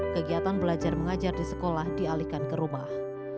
kegiatan belajar mengajar di sekolah dialihkan ke rumah